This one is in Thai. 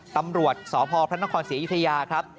ตำรวจสพพระนครศรีอยุธยาครับ